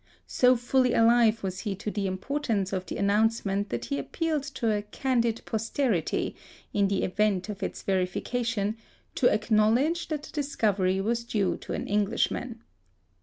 So fully alive was he to the importance of the announcement that he appealed to a "candid posterity," in the event of its verification, to acknowledge that the discovery was due to an Englishman.